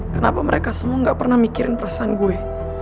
kenapa mereka semua gak pernah mikirin perasaan gue